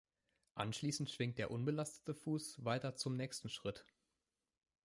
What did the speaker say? Anschließend schwingt der unbelastete Fuß weiter zum nächsten Schritt.